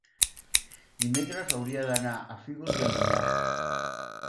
dimecres hauria d'anar a Fígols i Alinyà.